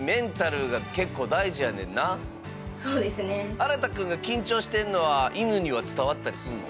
新くんが緊張してんのは犬には伝わったりすんの？